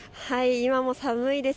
今も寒いです。